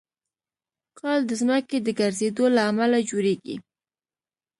کال د ځمکې د ګرځېدو له امله جوړېږي.